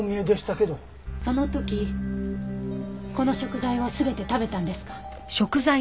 その時この食材を全て食べたんですか？